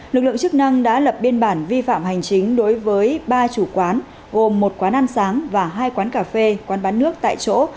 lực lượng chức năng đã lập biên bản vi phạm hành chính đối với ba chủ quán gồm một quán ăn sáng và hai quán cà phê quán bán nước tại chỗ